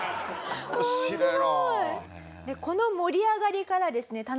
この盛り上がりからですね